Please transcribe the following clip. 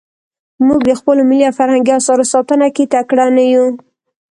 موږ د خپلو ملي او فرهنګي اثارو ساتنه کې تکړه نه یو.